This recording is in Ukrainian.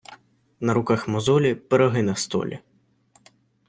На руках мозолі — пироги на столі.